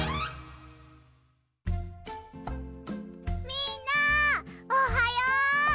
みんなおはよう！